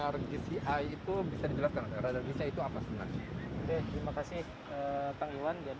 radar gci itu apa sebenarnya